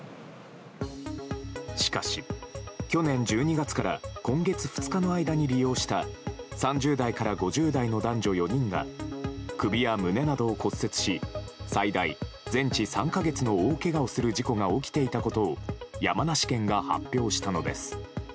しかし、去年１２月から今月２日の間に利用した３０代から５０代の男女４人が首や胸などを骨折し最大全治３か月の大けがをする事故が起きていたことを山梨県が発表したのです。